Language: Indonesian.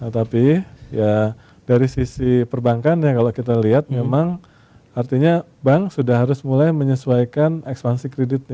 tapi ya dari sisi perbankan ya kalau kita lihat memang artinya bank sudah harus mulai menyesuaikan ekspansi kreditnya